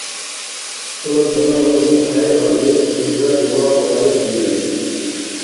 Чула духӀнар кьуми хӀейалри, илдас мурабба эс вири.